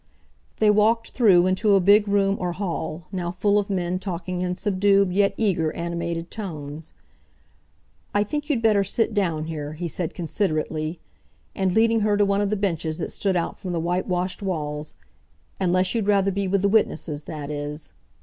They walked through into a big room or hall, now full of men talking in subdued yet eager, animated tones. "I think you'd better sit down here," he said considerately, and, leading her to one of the benches that stood out from the whitewashed walls—"unless you'd rather be with the witnesses, that is."